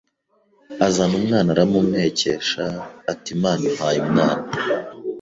azana umwana aramumpekesha ati Imana impaye umwana